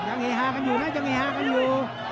ยังไอฮากันอยู่นะยังไอฮากันอยู่